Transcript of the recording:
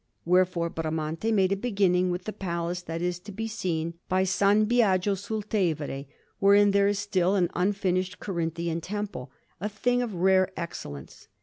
Wherefore Bramante made a beginning with the palace that is to be seen by S. Biagio sul Tevere, wherein there is still an unfinished Corinthian temple, a thing of rare excellence.